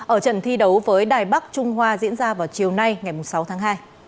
ở trận thi đấu với đài bắc trung hoa diễn ra vào chiều nay ngày sáu tháng hai